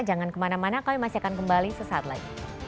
jangan kemana mana kami masih akan kembali sesaat lagi